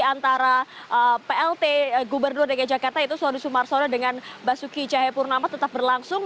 antara plt gubernur dki jakarta itu sony sumarsono dengan basuki cahyokumolo tetap berlangsung